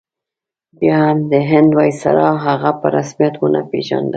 بیا هم د هند ویسرا هغه په رسمیت ونه پېژانده.